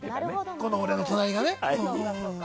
この俺の隣がね。